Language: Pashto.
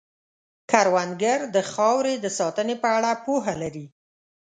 کروندګر د خاورې د ساتنې په اړه پوهه لري